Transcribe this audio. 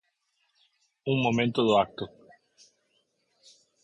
Un momento do acto.